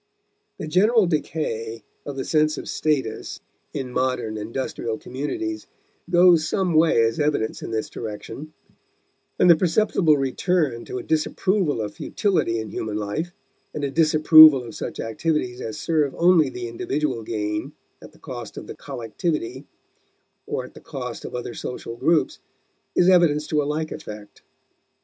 The general decay of the sense of status in modern industrial communities goes some way as evidence in this direction; and the perceptible return to a disapproval of futility in human life, and a disapproval of such activities as serve only the individual gain at the cost of the collectivity or at the cost of other social groups, is evidence to a like effect.